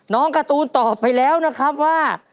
การ์ตูนตอบไปแล้วนะครับว่า